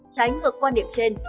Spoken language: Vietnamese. tránh ngược quan điểm trên